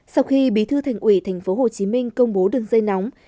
sau khi bí thư thành ủy tp hcm công bố đường dây nóng